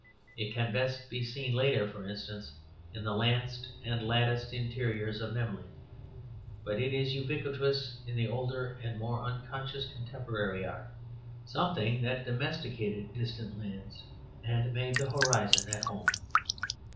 It can best be seen later, for instance, in the lanced and latticed interiors of Memling, but it is ubiquitous in the older and more unconscious contemporary art; something that domesticated distant lands and made the horizon at home.